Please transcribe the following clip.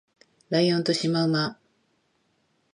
ライオンとシマウマ